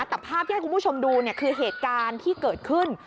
แต่ภาพที่ให้คุณผู้ชมดูคือเหตุการณ์ที่เกิดขึ้น